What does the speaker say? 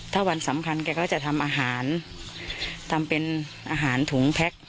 ถ้าวันสำคัญแกก็จะทำอาหารทำเป็นอาหารถุงแพ็ค